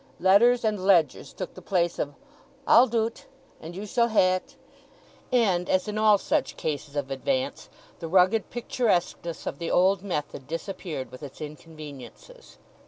Letters and ledgers took the place of "I'll do't," and "you shall hae't"; and, as in all such cases of advance, the rugged picturesqueness of the old method disappeared with its inconveniences.